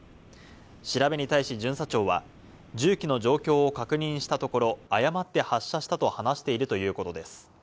調べに対し巡査長は、銃器の状況を確認したところ、誤って発射したと話しているということです。